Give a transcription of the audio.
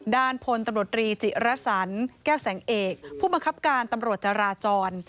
ด้านพลตำรวจรีจิรสันแก้วแสงเอกผู้บังคับการตำรวจจราจร